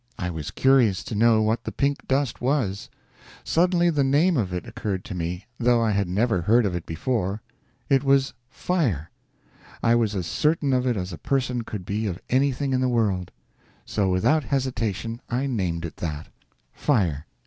I was curious to know what the pink dust was. Suddenly the name of it occurred to me, though I had never heard of it before. It was fire! I was as certain of it as a person could be of anything in the world. So without hesitation I named it that fire.